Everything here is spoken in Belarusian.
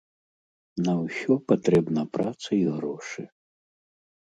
На ўсё патрэбна праца і грошы.